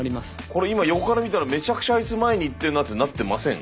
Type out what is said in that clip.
これ今横から見たらめちゃくちゃあいつ前にいってんなってなってません？